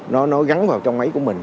nó gắn vào trong máy của mình